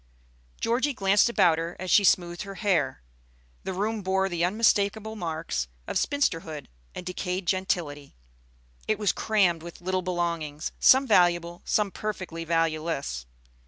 Georgie glanced about her as she smoothed her hair. The room bore the unmistakable marks of spinsterhood and decayed gentility. It was crammed with little belongings, some valuable, some perfectly valueless.